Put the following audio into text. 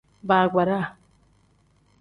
Baagbara.